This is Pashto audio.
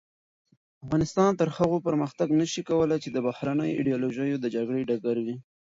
افغانستان تر هغو پرمختګ نشي کولای چې د بهرنیو ایډیالوژیو د جګړې ډګر وي.